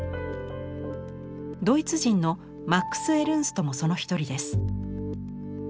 ドイツ人のマックス・エルンストもその一人です。